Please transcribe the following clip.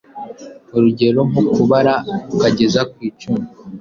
urugero nko kubara akageza ku icumi